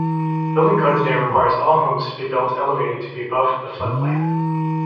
Building code today requires all homes be built elevated to be above the floodplain.